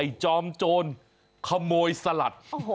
จอมโจรขโมยสลัด